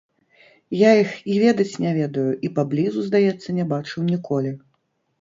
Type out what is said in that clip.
Я іх і ведаць не ведаю і паблізу, здаецца, не бачыў ніколі.